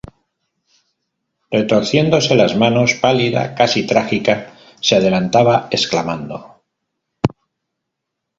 retorciéndose las manos, pálida, casi trágica, se adelantaba exclamando: